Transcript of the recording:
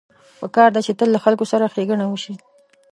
پکار ده چې تل له خلکو سره ښېګڼه وشي